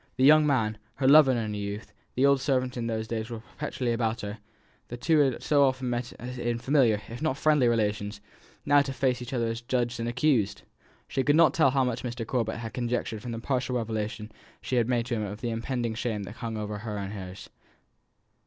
The young man, her lover in her youth, the old servant who in those days was perpetually about her the two who had so often met in familiar if not friendly relations, now to face each other as judge and accused! She could not tell how much Mr. Corbet had conjectured from the partial revelation she had made to him of the impending shame that hung over her and hers.